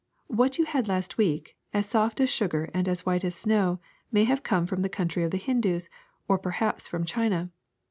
What you had last week, as soft as sugar and as white as snow, may have come from the country of the Hindus, or perhaps from China.